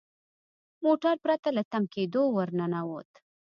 موټر پرته له تم کیدو ور ننوت.